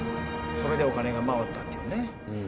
それでお金が回ったっていうね。